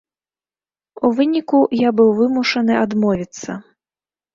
У выніку я быў вымушаны адмовіцца.